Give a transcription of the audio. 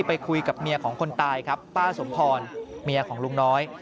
ไปคุยกับเมียของคนตายครับป้าสมพรเมียของลุงน้อย